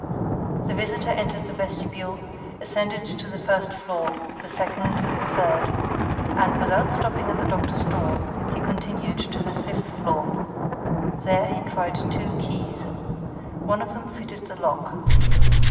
The visitor entered the vestibule, ascended to the first floor, the second, the third, and, without stopping at the doctor's door, he continued to the fifth floor. There, he tried two keys. One of them fitted the lock.